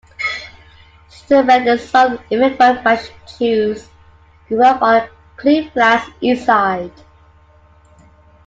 Sturman, the son of immigrant Russian Jews, grew up on Cleveland's East Side.